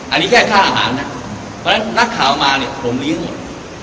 อันนี้แค่ค่าอาหารนะเพราะฉะนั้นนักข่าวมาเนี่ยผมเลี้ยงหมด